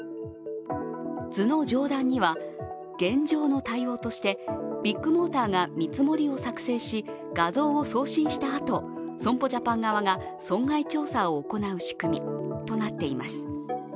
図の上段には、現状の対応としてビッグモーターが見積もりを作成し画像を送信したあと損保ジャパン側が損害調査を行う仕組みとなっています。